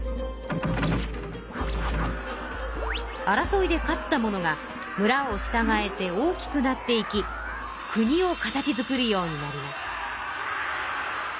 争いで勝った者がむらをしたがえて大きくなっていきくにを形づくるようになります。